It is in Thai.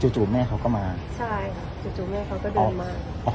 จู่แม่เขาก็มาใช่ค่ะจู่แม่เขาก็เดินมา